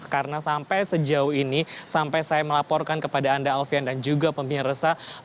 karena sampai sejauh ini sampai saya melaporkan kepada anda alvian dan juga pemirsa